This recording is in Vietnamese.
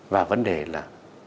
và vấn đề là